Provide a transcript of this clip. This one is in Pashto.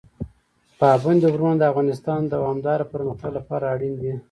پابندي غرونه د افغانستان د دوامداره پرمختګ لپاره اړین دي.